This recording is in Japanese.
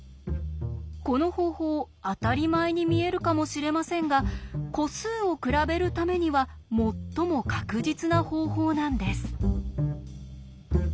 この方法当たり前に見えるかもしれませんが個数を比べるためには最も確実な方法なんです。